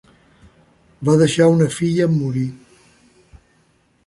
Va deixar una filla en morir.